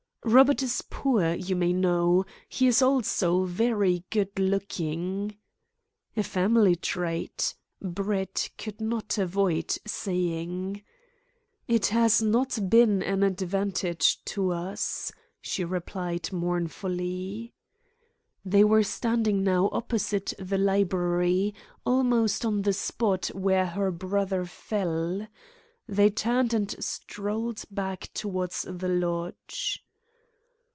"Robert is poor, you may know. He is also very good looking." "A family trait," Brett could not avoid saying. "It has not been an advantage to us," she replied mournfully. They were standing now opposite the library, almost on the spot where her brother fell. They turned and strolled back towards the lodge.